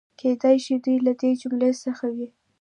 کېدای شي دوی له دې جملې څخه وي.